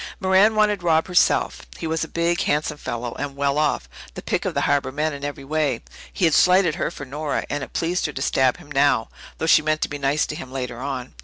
Merran wanted Rob herself. He was a big, handsome fellow, and well off the pick of the harbour men in every way. He had slighted her for Nora, and it pleased her to stab him now, though she meant to be nice to him later on.